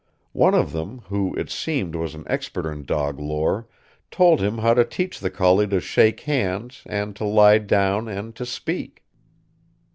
One of them, who, it seemed, was an expert in dog lore, told him how to teach the collie to shake hands and to lie down and to "speak."